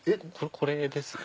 これですね。